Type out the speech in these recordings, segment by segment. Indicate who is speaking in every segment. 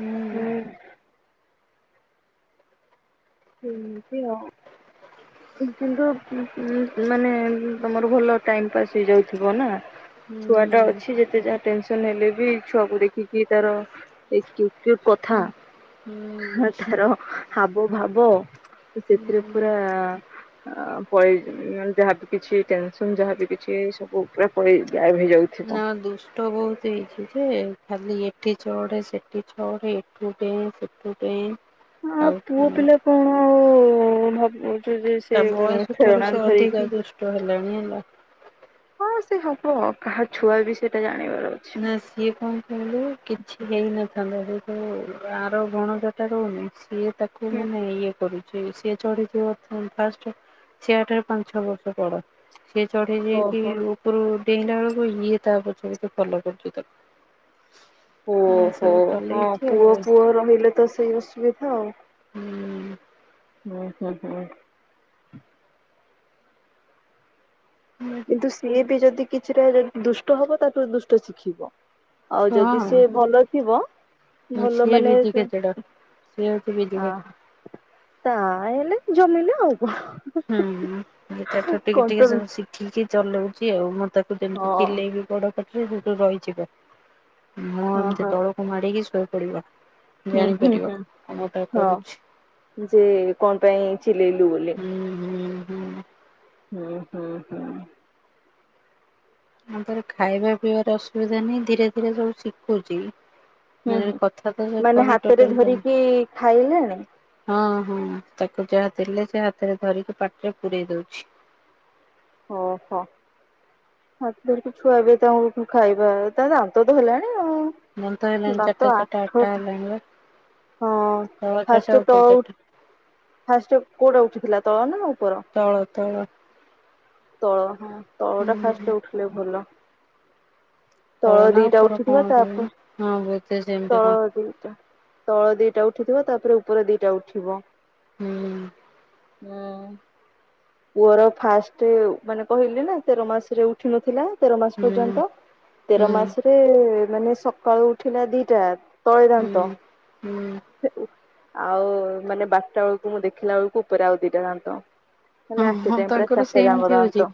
Speaker 1: ହୁଁ।
Speaker 2: ଏମିତି ଆଉ କି କିନ୍ତୁ ଉଁ ଉଁ ମାନେ ତମର ଭଲ ଟାଇମ ପାସ୍ ହେଇଯାଉଥିବ ନା। ଛୁଆ ଟା ଅଛି ଯେତେ ଯାହା ଟେନସନ ହେଲେ ବି ଛୁଆକୁ ଦେଖିକି ତାର ଏ କି କଥା ତାର ହାବ ଭାବ ତ ସେଥିରେ ପୁରା ଆ ପଳେଇ ଯାହାଵି କିଛି ଟେନସନ ଯାହାଵି କିଛି ସବୁ ଉପରେ ପଳେଇ ଗାୟଭ ହେଇଯାଉ
Speaker 1: ନଅ ଦୁଷ ଟ ବହୁତ ହେଇଛି ଯେ ଖାଲି ଏଠି ଚଢ଼େ ସେଠୁ ଚଢେ ଏଠୁ ଡେ଼ଁ ସେଠୁ ଡେ଼ଁ।
Speaker 2: ଆଉ ପୁଅ ପିଲା କଣ ଆଉ ଭାବୁ ଯେ ସେ ଖେଳନା ଧରିକି।
Speaker 1: ଷ୍ଟ ହେଲାଣି ହେଲା।
Speaker 2: ହଁ ସେ ହବ କାହା ଛୁଆବି ସେଟା ଜାଣିବାର ଅଛି।
Speaker 1: [inaudible] କିଏ କଣ ଶୁଣିଲୁ କିଛି ହେଇନଥାନ୍ତା ଯେହେତୁ ଆର ଭଣଜାଟା ରହୁନି, ସିଏ ତା କୁ
Speaker 2: ହୁଁ।
Speaker 1: ମୁନା ଇଏ କରୁଛି, ସିଏ ଚଢିଛି ବର୍ତମାନ ଫାଷ୍ଟ, ସିଏ ଆଠାରୁ ପାଞ୍ଚ ଛଅ ବର୍ଷ ବଡ଼। ସେ ଚଢ଼େ ଯିଏକି
Speaker 2: ଓହୋ
Speaker 1: ଉପରୁ ଡେଇଁଲା ବେଳକୁ ଇଏ ତା ପଛରେ ଚ ଫଲୋ କରୁଚି ତାକୁ। ଏ
Speaker 2: ଓହୋ,
Speaker 1: ସବୁ
Speaker 2: ହଁ
Speaker 1: ଚଲେଇଛି
Speaker 2: ପୁଅ
Speaker 1: ଆଉ
Speaker 2: ପୁଅ ରହିଲେ ତ ସେଇ ଅସୁବିଧା ଆଉ।
Speaker 1: ହୁଁ
Speaker 2: [unintelligible]
Speaker 1: ହୁଁ।
Speaker 2: କିନ୍ତୁ ସିଏ ବି ଯଦି କିଛିଟା ଯଦି ଦୁଷ୍ଟ ହବ ତାଠୁ ଦୁଷ୍ଟ ଶିଖିବ। ଆଉ ଯଦି ସିଏ ଭଲ ଥିବ
Speaker 1: ହୁଁ
Speaker 2: ଭଲ
Speaker 1: ସିଏ
Speaker 2: ମାନେ
Speaker 1: ବି ତ ଖେଚେଡ଼, ସିଏ ଅଛି
Speaker 2: ଆ
Speaker 1: [unintelligible]
Speaker 2: ତାହେଲେ ଜମିଲା ଆଉ। କଣ
Speaker 1: ହୁଁ, ଏ ତାଠାରୁ ଟିକେ ଟିକେ
Speaker 2: କଣ୍ଟ୍ରୋଲ
Speaker 1: ସବୁ ଶିଖିକି ଚଲଉଛି ଆଉ, ମ ତାକୁ
Speaker 2: ହଁ
Speaker 1: ଯେମିତି ଚିଲେଇବି ବଡ ପାଟିରେ ସେଟୁ ରହିଯିବ, ମୁଁ
Speaker 2: ହଁ
Speaker 1: ଏମିତି
Speaker 2: ହଁ
Speaker 1: ତଳ ମୁହଁ ମାଡିକି ଶୋଇପଡିବ,
Speaker 2: ହୁଁ ହୁଁ
Speaker 1: ଜାଣିପାରିବ
Speaker 2: ହୁଁ
Speaker 1: କାମଟା
Speaker 2: ହଁ
Speaker 1: କରୁଛି।
Speaker 2: ଯେ କଣ ପାଇଁ ଚିଲେଇଲୁ ବୋଲି?
Speaker 1: ହୁଁ, ହୁଁ, ହୁଁ,
Speaker 2: ହୁଁ, ହୁଁ, ହୁଁ।
Speaker 1: ଆମ୍ପାଖରେ ଖାଇବା ପିଇବାର ଅସୁବିଧା ନାହିଁ ଧୀରେ ଧୀରେ ସବୁ ଶିଖୁଛି।
Speaker 2: ହୁଁ
Speaker 1: ମାନେ ଏଣେ
Speaker 2: ହୁଁ
Speaker 1: କଥା ତ ସେ
Speaker 2: ମାନେ
Speaker 1: କହି
Speaker 2: ହାତରେ
Speaker 1: ଟୋଟାଲି [unintelligible]
Speaker 2: ଧରିକି ଖାଇଲାଣି
Speaker 1: ହଁ ହଁ ତାକୁ ଯାହା ଦେଲେ ସେ ହାତରେ ଧରିକି ପାଟିରେ ପୁରେଇ ଦଉଛି।
Speaker 2: ଓହୋ। ହାତ ଧରିକି ଛୁଆବି ତାଙ୍କଠୁ ଖାଇବା ତା ଦାନ୍ତ ତ ହେଲାଣି ଆଉ।
Speaker 1: ଦାନ୍ତ ହେଲାଣି
Speaker 2: ଦାନ୍ତ
Speaker 1: ଚରିଟା
Speaker 2: ଆଠ
Speaker 1: ଚରିଟା ଆଟ୍ଟା ହେଲାଣି ବା।
Speaker 2: ହଁ
Speaker 1: ତଳ ଚାରିଟା
Speaker 2: ଫାଷ୍ଟ
Speaker 1: ଉପର
Speaker 2: ତଳ ଉ,
Speaker 1: ଚାରିଟା।
Speaker 2: ଫାଷ୍ଟ କୋଉଟା ଉଠିଥିଲା ତଳ ନା ଉପର?
Speaker 1: ତଳ, ତଳ।
Speaker 2: ତଳ ହଁ ତଳଟା
Speaker 1: ହୁଁ
Speaker 2: ଫାଷ୍ଟ ଉଠିଲେ ଭଲ। ତଳ
Speaker 1: ନା
Speaker 2: ଦିଇଟା
Speaker 1: ଉପର କଣ
Speaker 2: ଉଠିଥିବ,
Speaker 1: କେଜାଣି
Speaker 2: ତାପରେ
Speaker 1: ହଁ ବୋଧେ ସେମିତି
Speaker 2: ତଳ
Speaker 1: କଣ
Speaker 2: ଦିଇଟା। ତଳ ଦିଇଟା ଉଠିଥିବ ତାପରେ ଉପର ଦିଇଟା ଉଠିବ।
Speaker 1: ହୁଁ
Speaker 2: ହୁଁ ପୁଅର ଫାଷ୍ଟ ମାନେ କହିଲି ନା ତେର ମାସରେ ଉଠି ନଥିଲା। ତେରମାସ
Speaker 1: ହୁଁ
Speaker 2: ପର୍ଯ୍ୟନ୍ତ,
Speaker 1: ହୁଁ
Speaker 2: ତେରମାସରେ ମାନେ ସକାଳୁ ଉଠିଲା ଦିଇଟା। ତଳି
Speaker 1: ହୁଁ।
Speaker 2: ଦାନ୍ତ,
Speaker 1: ହୁଁ
Speaker 2: ସେ, ଉ ଆଉ ମାନେ ବାର୍ଟା ବେଳକୁ ମୁଁ ଦେଖିଲା ବେଳକୁ ଉପରେ ଆଉ ଦିଇଟା ଦାନ୍ତ।
Speaker 1: ହଁ
Speaker 2: ମାନେ ଆଟ୍ ଏ
Speaker 1: ହଁ
Speaker 2: ଟାଇମ୍ ପୁରା
Speaker 1: ତାଙ୍କର
Speaker 2: ଚାରିଟା ଯାଙ୍କ
Speaker 1: ସେମତି
Speaker 2: ଦାନ୍ତ
Speaker 1: ହଉଛି।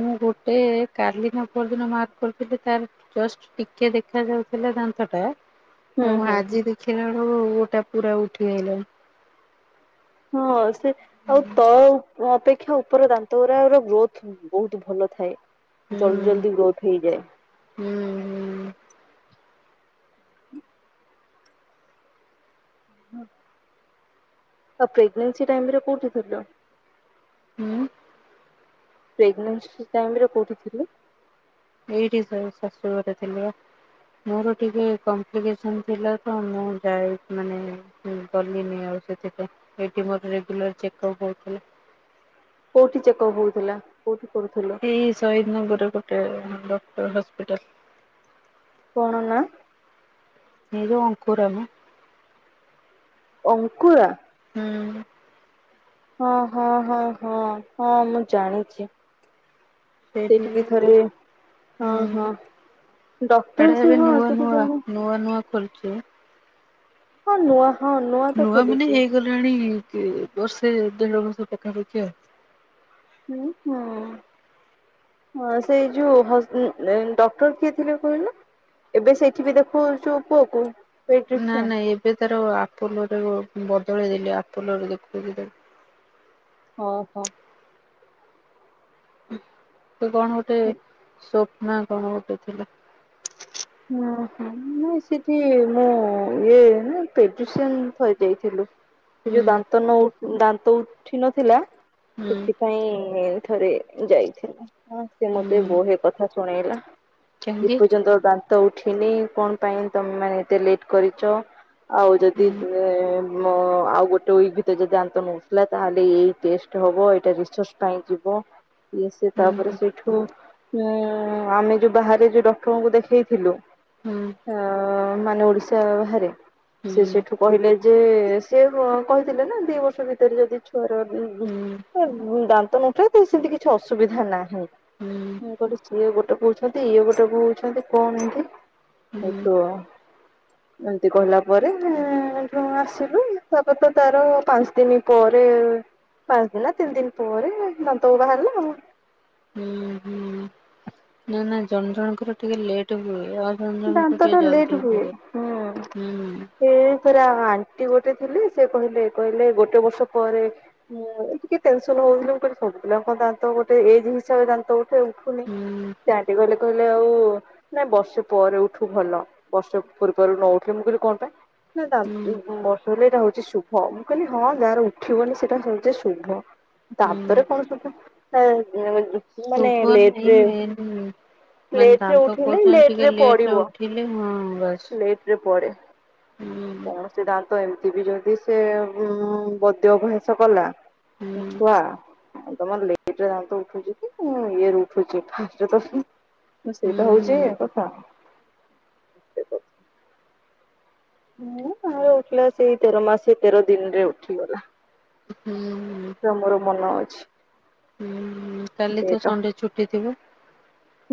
Speaker 1: ମୁଁ ଗୋଟେ କାଲିି ମୁଁ ଅପରଦିନ ମାର୍କ କରିଥିଲି ତାର ଜଷ୍ଟ ଟିକେ ଦେଖାଯାଉଥିଲା ଦାନ୍ତଟା।
Speaker 2: ହୁଁ
Speaker 1: ଆଉ
Speaker 2: ହୁଁ।
Speaker 1: ଆାଜି ଦେଖିଲା ବେଳକୁ ଗୋଟା ପୁରା ଉଠିଆଇଲାଣି।
Speaker 2: ହଁ ସେ ଆଉ ତଳ ଉ ଅପେ କ୍ଷା ଉପର ଦାନ୍ତଉରା ଉରା ବହୁତ ବହୁତ ଭଲ ଥାଏ,
Speaker 1: ହୁଁ
Speaker 2: ଜଲ୍ଦି ଜଲ୍ଦି ଗ୍ରୋଥ୍ ହେଇଯାଏ।
Speaker 1: ହୁଁ, ହୁଁ।
Speaker 2: ହଁ ଆଉ ପ୍ରେଗ୍ନେନ୍ସି ଟାଇମରେ କୋଉଠି ଥିଲ?
Speaker 1: ହୁଁ
Speaker 2: ପ୍ରେଗନେନ୍ସି ଟାଇମରେ କୋଉଠି ଥିଲେ?
Speaker 1: ଏଇଠି ଶ ଶାଶୁ ଘରେ ଥିଲି। ମୋର ଟିକେ କପ୍ଲିକେସନ ଥିଲା ତ ମୁଁ ଯାଇ ମାନେ ମୁଁ ଗଲିନି ଆଉ ସେଥିପାଇଁ ଏଇଠି ମୋର ରେଗୁଲାର ଚେକ‌ଅପ୍ ହୋଉଥିଲା।
Speaker 2: କୋଉଠି ଚେକଅପ୍ ହୋଉଥିଲା କୋଉଠି କରୁଥିଲ?
Speaker 1: ଏଇ ଶହୀଦ ନଗରରେ ଗୋଟେ ଡକ୍ଟର ହସ୍ପିଟାଲ।
Speaker 2: କଣ ନା?
Speaker 1: ଏଇ ଯୋଉ ଅଙ୍କୁରାମ।
Speaker 2: ଅଙ୍କୁରା?
Speaker 1: ହୁଁ।
Speaker 2: ହଁ ହଁ ହଁ ହଁ ହଁ ମୁଁ ଜାଣିଚି।
Speaker 1: ସେଇଠିକି
Speaker 2: ହଁ
Speaker 1: ହୁଁ
Speaker 2: ହଁ ଡକ୍ଟର
Speaker 1: ଏଟା
Speaker 2: ସେ
Speaker 1: ଏବେ
Speaker 2: ହଁ
Speaker 1: ନୂଆ
Speaker 2: ସେଠି
Speaker 1: ନୂଆ
Speaker 2: ଜଣେ
Speaker 1: ନୂଆ ନୂଆ ଖୋଲୁଚି।
Speaker 2: କଣ ନୂଆ ହଁ ତ
Speaker 1: ନୂଆ ମାନେ
Speaker 2: ଖୋଲିଛି।
Speaker 1: ହେଇଗଲାଣି କି ବର୍ଷେ ଦେଢ ବର୍ଷ ପାଖାପାଖି ଆଉ।
Speaker 2: ହୁଁ ହଁ। ହଁ ସେଇ ଯୋଉ ହସ ଉଁ ଏ ଡକ୍ଟର କିଏ ଥିଲେ କହିଲୁ? ଏବେ ସେଇଠି ବି ଦେଖୋଉଚୁ ପୁଅକୁ।
Speaker 1: ନା
Speaker 2: ପେଡିଟ୍ରିସିଆନ
Speaker 1: ନାଇଁ ଏବେ ତାର ଆପୁଲୁରେ ଗୋ ବଦଳେଇ ଦେଲି ଆପୁଲୁରେ ଦେଖୁଥିଲି ତାକୁ।
Speaker 2: ଓହୋ।
Speaker 1: ତ କଣ ଗୋଟେ ସ୍ୱପ୍ନା କଣ ଗୋଟେ ଥିଲା।
Speaker 2: ଉଁ ହୁଁ ନାଁଇ ସେଠି ମୁଁ ଇଏ [unintelligible] ଯାଇଥିଲୁ। ଏ
Speaker 1: ହୁଁ
Speaker 2: ଯୋଉ ଦାନ୍ତ ନ ଉଠ୍ ଦାନ୍ତ ଉଠି ନଥିଲା।
Speaker 1: ହୁଁ
Speaker 2: ସେଥିପାଇଁ ଥରେ ଯାଇଥିଲା। ହଁ ସେ ମତେ
Speaker 1: ହୁଁ
Speaker 2: ବହେ କଥା ଶୁଣେଇଲା
Speaker 1: କାହିଁକି
Speaker 2: ଏପର୍ଯ୍ୟନ୍ତ ଦା ନ୍ତ ଉଠିନି କଣ ପାଇଁ ତମେ ମାନେ ଏତେ ଲେଟ୍ କରିଚ। ଆଉ ଯଦି
Speaker 1: ହୁଁ
Speaker 2: ନେ ମୋ ଆଉ ଗୋଟେ ଉଇକ୍ ଭିତରେ ଯଦି ଦାନ୍ତ ନଉଠିଲା ତାହେଲେ ଏଇ ଟେଷ୍ଟ ହବ ଏଇଟା ରିସର୍ଚ ପାଇଁ ଯିବ। ଏ ସେ ତାପରେ
Speaker 1: ହୁଁ
Speaker 2: ସେଇଠୁ ଉଁ ଆମେ ଯୋଉ ବାହାରେ ଯୋଉ ଡକ୍ଟରଙ୍କୁ ଦେଖେଇ ଥିଲୁ
Speaker 1: ହୁଁ
Speaker 2: ଆ ମାନେ ଓଡିଶା ବାହାରେ।
Speaker 1: ହୁଁ
Speaker 2: ସେ
Speaker 1: ହୁଁ
Speaker 2: ସେଇଠୁ କହିଲେ ଯେ ସେ କ-କହିଥିଲେ ନା ଦି ବର୍ଷ ଭିତରେ ଯଦି ଛୁଆର ଉଁ ଉଁ
Speaker 1: ହୁଁ
Speaker 2: ଏ ଦାନ୍ତ ନ‌ଉଠେ କିନ୍ତୁ ସେମିତି କିଛି ଅସୁବିଧା ନାହିଁ।
Speaker 1: ହୁଁ
Speaker 2: ମୁଁ ଗୋଟେ ସିଏ ଗୋଟେ କୋହୁଛନ୍ତି ଇଏ ଗୋଟେ କୋହୁଛନ୍ତି। କଣ ଏମତି?
Speaker 1: ହୁଁ
Speaker 2: ଏଇଠୁ ଏମିତି କହିଲା ପରେ [unintelligible] [unintelligible] ଆସିଲୁ ତାପରେ ତ ତାର ପାଞ୍ଚ୍ ଦିନ ପରେ ପାଞ୍ଚ ଦିନରେ ତିନି ଦିନ ପରେ ଦାନ୍ତକୁ ବାହାରିଲା ଆଉ।
Speaker 1: ହୁଁ ହୁଁ ନା ନା ଜଣ ଜଣଙ୍କର ଟିକେ ଲେଟ୍ ହୁଏ ଆଉ ଜଣ ଜଣଙ୍କ
Speaker 2: ଦାନ୍ତ ଟା
Speaker 1: ପାଖେରେ ଜଲଦି ଉଠିବେ ହୁଁ।
Speaker 2: ସେ [unintelligible] ଆଣ୍ଟି ଗୋଟେ ଥିଲେ ସେ କହିଲେ କହିଲେ ଗୋଟେ ବର୍ଷ ପରେ [unintelligible] ଟିକେ ଟେନସନ୍ ହୋଉନୁ। ମୁଁ କହିଲି ସବୁ ପିଲାଙ୍କ ଦାନ୍ତ ଗୋଟେ ଏଜ୍ ହିସାବରେ ଦାନ୍ତ ଉଠେ ଉଠୁନି।
Speaker 1: ହୁଁ
Speaker 2: ସେ ଆଣ୍ଟି କହିଲେ କହିଲେ ଆଉ ନାଇ ବର୍ଷେ - ପରେ ଉଠୁ ଭଲ। ବର୍ଷେ ପୂର୍ବରୁ ନ ଉଠିଲେ ମୁଁ କହିଲି କଣ ପାଇଁ। ନା ଦା
Speaker 1: ହୁଁ
Speaker 2: ଉଁ [unintelligible] ଏଟା ହୋଉଚି ଶୁଭ। ମୁଁ କହିଲି ହଁ ଯାହାର ଉଠିବନି ସେଟା ହୋଉଚି ଶୁଭ।
Speaker 1: ହୁଁ
Speaker 2: ଦାନ୍ତରେ କଣ ସବୁ ଥାଏ। [unintelligible] ମାନେ
Speaker 1: ଶୁଭ ନାଇଁ
Speaker 2: ଲେଟରେ
Speaker 1: ମେନ୍ ମାନେ
Speaker 2: ଲେଟରେ
Speaker 1: ଦାନ୍ତ
Speaker 2: ଉଠିଲେ
Speaker 1: କହୁଛନ୍ତି
Speaker 2: ଲେଟ୍
Speaker 1: ଟିକେ
Speaker 2: ଏ
Speaker 1: ଲେଟରେ
Speaker 2: ପଡିବ
Speaker 1: ଉଠିଲେ ହଁ ବାସ୍
Speaker 2: ଲେଟରେ ପଡେ
Speaker 1: ହୁଁ
Speaker 2: କଣ ସେ ଦାନ୍ତ ଏମିତି ବି ଯଦି ସେ ଉ ବୈଦ୍ୟଭ୍ୟାସ କଲା।
Speaker 1: ହୁଁ
Speaker 2: ଛୁଆ ତମ ଲେ ଦିଟା ଦାନ୍ତ ଉଠୁଛି କି ମୁଁ ଇଏରେ ଉଠୁଛି ସେଟ
Speaker 1: ହୁଁ
Speaker 2: ସେଇଟା ହଉଛି ହଁ ସେତ ହୁଁ ଆର ଉଠିଲା ସେଇ ତେର ମାସ ତେର ଦିନରେ ଉଠିଗଲା।
Speaker 1: ହୁଁ।
Speaker 2: ର ମୋର ମନ ଅଛି।
Speaker 1: ହୁଁ କାଲି ତ
Speaker 2: ଡେଟ
Speaker 1: ସଣ୍ଡେ ଛୁଟି ଥିବ।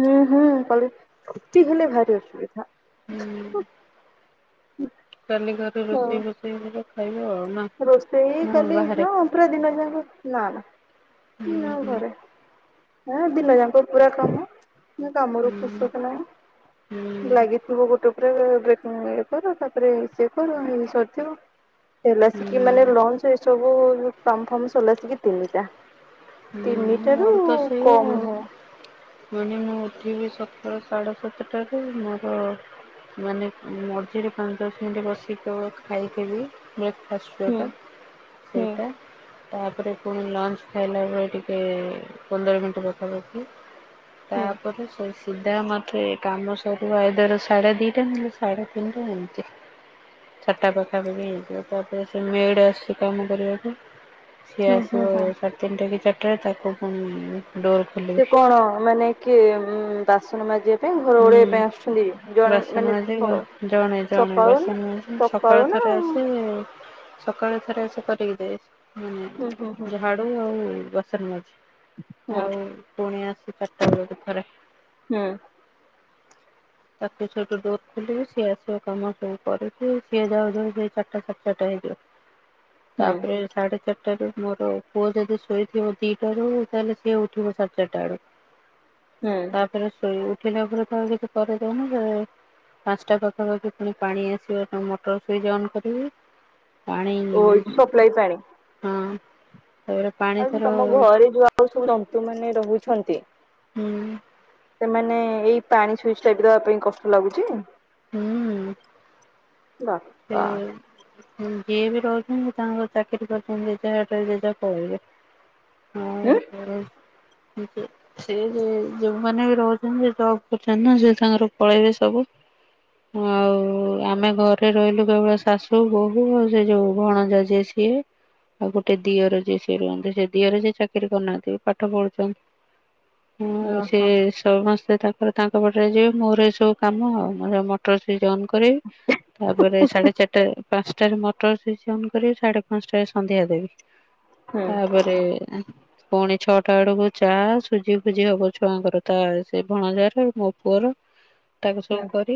Speaker 2: ହୁଁ ହୁଁ କାଲି ଛୁଟି ହେଲେ ଭାରି ଅସୁବିଧା।
Speaker 1: ହୁଁ।
Speaker 2: ହୁଁ
Speaker 1: କାଲି ଗନେ ରୋଷେଇ ବୋଷେଇ ହବ ଖାଇବ ଆଉ। ନା
Speaker 2: ରୋଷେଇ
Speaker 1: ନା
Speaker 2: କଲି
Speaker 1: ବାହାରେ?
Speaker 2: ହଁ ପୁର ଦିନ ଯାକ ନା ନା
Speaker 1: ହୁଁ
Speaker 2: ହଁ
Speaker 1: ହୁଁ
Speaker 2: ଘରେ। ହଁ ଦିନ ଯାଙ୍କ ପୁରା କାମ। ନା କାମରୁ
Speaker 1: ହୁଁ
Speaker 2: ଫୁରୁସତ୍ ନାହିଁ
Speaker 1: ହୁଁ
Speaker 2: ଲାଗିଥିବ ଗୋଟେ ପରେ ଗୋଟେ। ଇଏ କର ତାପରେ ସିଏ କର ସରିଥିବ ହେଲା। କି ମାନେ
Speaker 1: ହୁଁ
Speaker 2: ଲଞ୍ଚ ରେ ଏ ସବୁ କାମ ଫାମ ସଲାସିକି ତିନିଟା।
Speaker 1: ହୁଁ
Speaker 2: ତିନିଟାରୁ
Speaker 1: ମୋର ତ ସେଇଆ
Speaker 2: କମ
Speaker 1: ଆଉ।
Speaker 2: ନୁହଁ।
Speaker 1: ମାନେ ମୁଁ ଉଠିବି ସକାଳ ସାଢ଼େ ସାତଟାରୁ ମୋର ମାନେ ମଝିରେ ପାଞ୍ଚ ଦଶ ମିନିଟ୍ ବସିକ କେବଳ ଖାଇଦେବୀ। ବ୍ରେକ୍ଫାଷ୍ଟ
Speaker 2: ହୁଁ
Speaker 1: ଯଉଟା
Speaker 2: ହୁଁ।
Speaker 1: ସେଇଟା ତାପରେ ପୁଣି ଲଞ୍ଚ ଖାଇଲାବେଳକୁ ତାପରେ ଟିକେ ପନ୍ଦର ମିନିଟ୍ ପାଖାପାଖି
Speaker 2: ହୁଁ
Speaker 1: ତାପରେ ସେଷ ସିଧା ମତେ କାମ ସରିବ ଆଇଦର୍ ସାଢେ ଦିଟା ହେଲେ ସାଢେ ତିନିଟା ଏମିତି। ଛଟା ପାଖାପାଖି ହେଇଯିବ ତାପରେ ସେ ମେଡ ଆସୁଛି କାମ କରିବାକୁ। ସିଏ
Speaker 2: ହୁଁ ହୁଁ
Speaker 1: ଆସିବ
Speaker 2: ହୁଁ।
Speaker 1: ସାଢ଼େ ତିନିଟା କି ଚାରିଟାରେ ତାକୁ ଡୋର
Speaker 2: ସେ
Speaker 1: ଖୋଲିବି।
Speaker 2: କଣ ମାନେ କିଏ ଉ ବାସନ ମାଜିବା ପାଇଁ ଘର
Speaker 1: ହୁଁ
Speaker 2: ଓଲେଇବା ପାଇଁ ଆସୁଛନ୍ତି ଜଣେ
Speaker 1: ବାସନ
Speaker 2: ମାନେ
Speaker 1: ମାଜିବି ଜଣେ ଜଣେ
Speaker 2: ସକାଳୁ
Speaker 1: ବାସନ
Speaker 2: ନା
Speaker 1: ମାଜିବି ସକାଳୁ
Speaker 2: ନା
Speaker 1: ଥରେ ଆସି
Speaker 2: ହୁଁ
Speaker 1: ବେ। ସକାଳୁ ଥରେ ଆସିକି କରିକି ଯାଏ
Speaker 2: ହୁଁ ହୁଁ
Speaker 1: ମାନେ ଝାଡୁ ଆଉ ବାସନ
Speaker 2: ହୁଁ
Speaker 1: ମାଜି ଆଉ ପୁଣି ଆସି ଚାରିଟା ବେଳକୁ ଥରେ
Speaker 2: ହୁଁ।
Speaker 1: ତାକୁ ସେଇଠୁ ଡୋର ଖୋଲିବି ସିଏ ଆସିବ କାମ ସବୁ କରିକି ସିଏ ଯାଉ ଯାଉ ସେଇ ଚାରିଟା ସାଡେ ଚାରିଟା ହେଇଯିବ।
Speaker 2: ହୁଁ
Speaker 1: ତାପରେ ସାଢେ ଚାରିଟାାରୁୁ ମୋର ପୁଅ ଯଦି ଶୋଇଥିବ ଦିଟା ରୁ ତାହେଲେ ସିଏ ଉଠିବ ସାଢେ ଚାରିଟା ବେଳୁ।
Speaker 2: ହୁଁ
Speaker 1: ତାପରେ ଶୋଇ ଉଠିଲେ ଉପରକୁ କିଛି କରେଇଦୋଉନି ଯାଉ ପାଞ୍ଚଟା ପାଖାପାଖି ପୁଣି ପାଣି ଆସିବ ତମ ମଟର ସୁଇଚ ଅନ କରିବି।
Speaker 2: ଓ ଏଇଠି ସପ୍ଲାାଇ ପାଣି।
Speaker 1: ହଁର।
Speaker 2: ଆଉ ତମ ଘରେ ଯଉ ଆଉ ସବୁ ଜନ୍ତୁ ମାନେ ରହୁଛନ୍ତି।
Speaker 1: ହୁଁ।
Speaker 2: ସେମାନେ ଏଇ ପାଣି ସୁଇଚ ଟାଇପି ର ପାଇଁ କଷ୍ଟ ଲାଗୁଚି।
Speaker 1: ହୁଁ। ସେ
Speaker 2: ବାପା।
Speaker 1: ଯିଏ ବି ରହୁଛନ୍ତି ତାଙ୍କର ଚାକିରି କରିୁଛନ୍ତି ଜେଝା ବାଟରେ ପେଝା ପଳେଇବେ। ହୁଁ।
Speaker 2: ହୁଁ।
Speaker 1: ହଁ। ସି ଯେ ଯୋଉମାନୋନ ବି ରହୁଛନ୍ତି ସେ ଜବ କରୁଛନ୍ତି ନା ସେ ତାଙ୍କର ପଳେଇବେ ସବୁ। ଆଉ ଆମେ ଘରେ ଗଟେ ରହିଲୁ କେବଳ ଶାଶୁ ବୋହୂ ଆଉ ସେ ଯୋଉ ଭଣଜ ଯିଏ ସିଏ। ଆଉ ଗୋଟେ ଦିଅର ଯିଏ ସେି ରୁହନ୍ତି ସେ ଦିଅର ଯିଏ ଚାକିରି କରୁନାହାନ୍ତି ପାଠ ପଢ଼ୁଛନ୍ତି। ହଁ
Speaker 2: ଓହୋ
Speaker 1: ସେଷ ସମସ୍ତେ ତାଙ୍କର ତାଙ୍କ ପାଟରେ ଯିବେ ମୋର ଏ ସବୁ କାମ ଆଉ ମୁର ମଟର ସ ଜ କରିବି। ତାପରେ ସାଢେ ଚାରିଟା ପାଞ୍ଚଟାରେ ମଟର ସ କରିବି ସାଢେ ପାଞ୍ଚଟାରେ ସନ୍ଧ୍ୟା ଦେବି।
Speaker 2: ହୁଁ
Speaker 1: ତାପରେ ପୁଣି ଛଅଟା ବେଳକୁ ଚା ସୁଜି ଫୁଜି ହବ ଛୁଆଙ୍କର ତା ସେ ଭଣଜାର ମୋ ପୁଅର।। ତାକୁ ସବୁ
Speaker 2: ହୁଁ
Speaker 1: କରି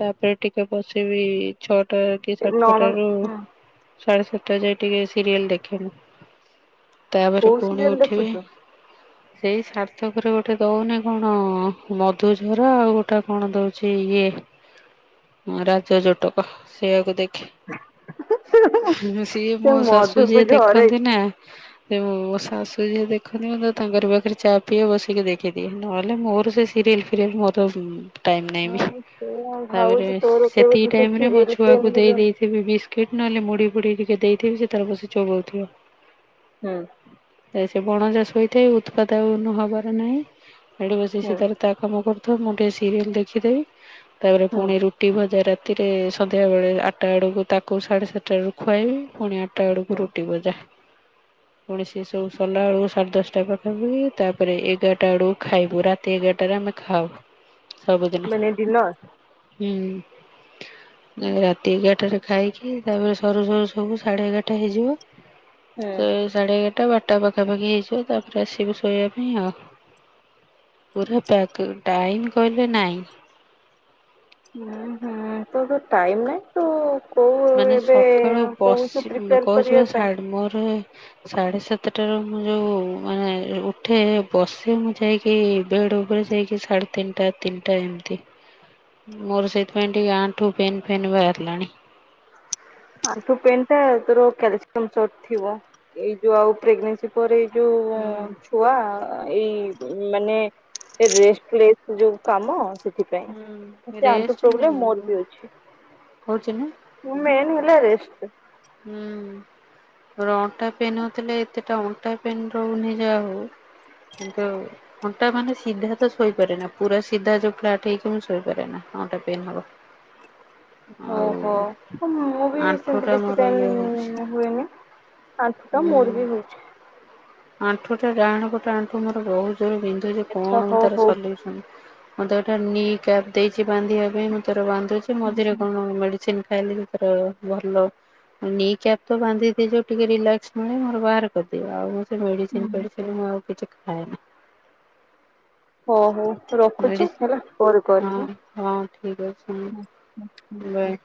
Speaker 1: ତାପରେ ଟିକେ ବସିବି। ଛଅଟା କି ଟ
Speaker 2: ନଣ
Speaker 1: ଛଅଟ ର
Speaker 2: ହୁଁ
Speaker 1: ସାଢେ ସାତଟା ଯାଏ ଟିକେ ସିରିଏଲ ଦେଖନୁ ତାପରେ
Speaker 2: କୋଉ
Speaker 1: ପୁଣି
Speaker 2: ସିରିଏଲ
Speaker 1: ଉଠିବି।
Speaker 2: ଦେଖୁଛୁ?
Speaker 1: ହଁ। ସେଇ ସାର୍ଥକରେ ଗୋଟେ ଦଉନି କଣ ମଧୁଝର ଆଉ ଗୋଟେ କଣ ଦଉଛି। ଇଏ ମ ରାଜ ଜଟକ ସେଆକୁ ଦେଖି। ସିଏ
Speaker 2: ସେ
Speaker 1: ମୋ ଶାଶୁ
Speaker 2: ମଧୁକୁ
Speaker 1: ଯିଏ
Speaker 2: ଝରେଇ
Speaker 1: ଦେଖନ୍ତି ନା। ସେଁ ମୋ ଶାଶୁ ଯିଏ ଦେଖନ୍ତି ମ ତାଙ୍କର ପାଖରେ ଚା ପିଇ ବସିକି ଦେଖିଦିଏ ନହେଲେ ମୋର ସେ ସିରିଏଲ ଫିରିଏଲ ମୋର ଟାଇମ ନହିଁବ
Speaker 2: ହଁ ସେଇଆ
Speaker 1: ତାପରେ
Speaker 2: ଭାବୁଛି ତୋର
Speaker 1: ସେତିକି
Speaker 2: କେବେଠୁ ସେ
Speaker 1: ରେ ମୋ
Speaker 2: ସିରିଏଲ
Speaker 1: ଛୁଆକୁ
Speaker 2: ପ୍ରେମ ହେଲୁଣି।
Speaker 1: ଦେଇେଇଥିବି ବିସ୍କିଟ ନହେଲେ ମୁଢି ଫୁଢ ଟିକେ ଦେଇଥିବି ସେ ତାର ବସି ଚଗଉଥିବ।
Speaker 2: ହୁଁ।
Speaker 1: ସେ ବଣ ଚାାଷ ହୋଇଥାଏ ଉତ୍ପାଦ ହବାର ନାହିଁ ଆଡ ବସ
Speaker 2: ହୁଁ।
Speaker 1: ସେ ତର ତା କାମ କରୁଥା ମୁଁ ଟିକେ ସିରିଏଲ ଦେଖିଦେଇ, ତାପରେ
Speaker 2: ହୁଁ
Speaker 1: ପୁଣି ରୁଟି ଭଜା ରା ରାତିରେ ସନ୍ଧ୍ୟାବେଳେ ଆଠଟା ବେଳକୁ ତାକୁ ସାଢେ ସାତଟା ବେୁ ଖୁଆଇବି ପୁଣି ଆଠ। ଟା ବେଳକୁ
Speaker 2: ହୁଁ
Speaker 1: ରୁଟି ବଜା ପଣି ସେ ସବୁ ସରିଲା ବେଳକୁ ସାଢେ ଦଶଟା ପାଖ। ତାପରେ ଏଗାରଟା ବେଳକୁ ଖାଇବୁ ରାତି ଏଗାରଟାରେ ଆମେ ଖାାଉ। ସବୁଦିନ
Speaker 2: ମାନେ ଡିନର।
Speaker 1: ହୁଁ। ରାତି ଏଗାରଟାରେରେ ଖାଇକି ତାପରେ ସରୁ ସରୁ ସବୁ ସାଢେ ଏଗାରଟା ହେଇଯିବ।
Speaker 2: ହୁଁ
Speaker 1: ସେ ସାଢେ ଏଗାରଟା ବାରଟା ପାଖାପାଖି ହେଇଯିବ, ତାପରେ ଆସିବୁ ଶୋଇବା ପାଇଁ ଆଉ। ପୁରା ପ ଟାଇମ କହିଲେ ନାଇଁ?
Speaker 2: ହୁଁ ହୁଁ ତ ଟାଇମ ନାଇଁ ତୁ। କୋଉ
Speaker 1: ମାନେ
Speaker 2: ଏବେ
Speaker 1: ସକାଳୁ
Speaker 2: କହୁଛୁ
Speaker 1: ବସି
Speaker 2: ପ୍ରିପେୟାର କରିବା
Speaker 1: କହୁଛିିବା
Speaker 2: ପାଇଁ।
Speaker 1: ମୋର। ସାଢେ ସାତଟାରୁ ମୁଁ ଯୋଉ ମାନେ ଉଠେ ବସେ ମୁଁ ଯାଇକି। କି ବେଡ ଉପରେ ଯାଇକି ସାଢେ ତିନିଟା ତିନିଟା ଏମିତି। ମୋର ସେଇଥିପାଇଁ ଟିକେ ଆଣ୍ଠୁ ଫେନ୍ ଫେନ୍ ବାହାରିଲାଣି।
Speaker 2: ଆଠୁ ପେଣ୍ଟ ତୋର କ୍ୟାଲସିୟ ଶ ଥିବ ଏଇ ଯୋଉ ଆଉ ପ୍ରେଗନନ୍। ତା ପରେରେ ଯୋଉ
Speaker 1: ହୁଁ
Speaker 2: ହିଁ ଆ ଏଇ ମାନେ ରେ୍ ଯୋଉ କାମ ସେ ସେଥିପାଇଁ ଆଠୁ
Speaker 1: ରେଷ୍ଟ
Speaker 2: ପ୍ରୋବ୍ଲେ
Speaker 1: ନାଇଁ
Speaker 2: ମୋର ବି ଅଛି।
Speaker 1: କହୁଛି ନା
Speaker 2: ମୁମେ ଏନ ହେଲାାରେ ଏଷ୍ଟୁ।
Speaker 1: ହୁଁ ରଣଟା ପିନ୍ନଉଥିଲେ। ଏତେଟା ଅଣ୍ଟା ପେନ୍ ରହୁନି ଯାହା ହେଉ କିନ୍ତୁ ଓଟା ମାନ ସିଧା ତ ଶୋଇପାରେ ନା ପୁରା ସିଧା ଚୁଖେ ଆଠେଇକମି ଶୋଇପାରେ ନା ପେନ୍ ହବ। ଆଉ
Speaker 2: ଓହୋ। ହ ମୁଁ ବି ସେମିତି
Speaker 1: ଆଣ୍ଠୁଟା
Speaker 2: ବେଶୀ
Speaker 1: ମୋର
Speaker 2: ସେ
Speaker 1: ଇଏ ହଉଛି
Speaker 2: ହୁଏନି ଆଠୁ ତ
Speaker 1: ଉଁ
Speaker 2: ମୋର ବି ହଉଛି।
Speaker 1: ଆଣ୍ଠୁଟା ଡାହାଣ ପଟ ଆଣ୍ଠୁ ମୋର ବହୁତ ଜୋର ବିନ୍ଧୁଚି
Speaker 2: ଆଚ୍ଛା
Speaker 1: କଣ ମୁଁ
Speaker 2: ହଉ
Speaker 1: ତାର
Speaker 2: ହଉ
Speaker 1: ସଲିଉସନ ମୁଁ ଏଟା ନିିକ୍ୟାପ ଦେଇଛି ବାନ୍ଧିବା ପାଇଁ ମୁଁ ତୋର ବାନ୍ଧୁଛି ମଝିରେ କଣ ମେଡ଼ିସିନ ଖାଇଲି [unintelligible] ଭଲ। ନିକ୍ୟାପ ତ ବାନ୍ଧିଦି ଯୋଉ ଟିକେ ରିଲାକ୍ସ ମିଳେ ମୋର ବାହାର କରିଦିଏ ଆଉ ସେ ମେଡ଼ିସିନ ଫେଡିସିନ ମୁଁ ଆଉ କିଛି ଖାଏନି।
Speaker 2: ହୋ ହୋଉ ରଖୁଛି
Speaker 1: ମେଡିସି
Speaker 2: ହେଲା। ପରେ କରିବି
Speaker 1: ହଁ ହଁ ଠିକ୍ ଅଛି
Speaker 2: ଆଁ
Speaker 1: ବାଏ।